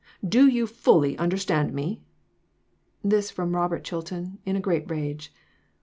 Do you fully understand me?" This from Robert Chilton, in a great rage.